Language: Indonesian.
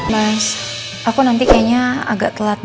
mas aku nanti kayaknya agak telat